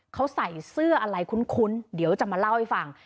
เขาใส่เสื้ออะไรคุ้นเดี๋ยวจะมาเล่าให้ฟัง